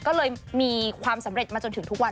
ก็เลยมีความสำเร็จมาจนถึงทุกวัน